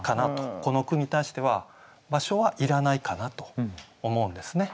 この句に対しては場所はいらないかなと思うんですね。